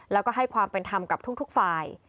แล้วก็ให้ความเป็นธรรมกับทุกฝ่าย